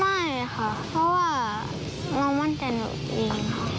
ไม่ค่ะเพราะว่าน้องมั่นแต่หนูเอง